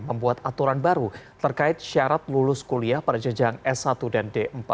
membuat aturan baru terkait syarat lulus kuliah pada jenjang s satu dan d empat